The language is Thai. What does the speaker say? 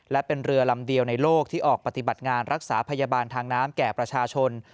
และเป็นเรือลำเดียวในโลกที่ออกปฏิบัติงานรักษาพยาบาลทางน้ำแก่ประชาชน